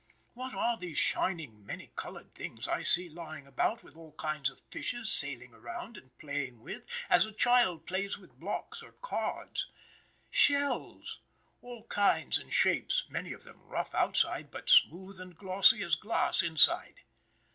What are these shining, many colored things I see lying about, with all kinds of fishes sailing around and playing with, as a child plays with blocks or cards? Shells! all kinds and shapes, many of them rough outside but smooth and glossy as glass inside.